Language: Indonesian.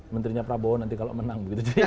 menterinya prabowo nanti kalau menang